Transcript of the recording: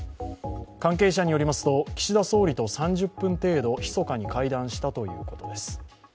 関係者によりますと岸田総理と３０分程度ひそかに会談したということです。